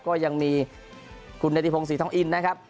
ก็ยังมีคุณเนธิพงศรีทองอินนะครับ